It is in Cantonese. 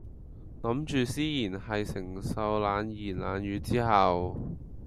諗住思賢喺承受冷言冷語之後